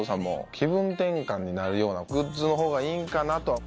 気分転換になるようなグッズの方がいいんかなと。